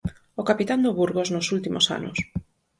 O capitán do Burgos nos últimos anos.